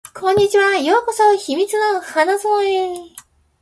こんにちは。ようこそ秘密の花園へ